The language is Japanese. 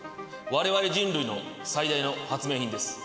我々人類の最大の発明品です。